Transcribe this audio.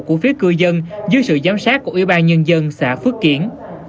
của phía cư dân dưới sự giám sát của ủy ban nhân dân xã phước kiển